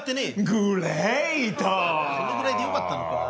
このぐらいでよかったのか？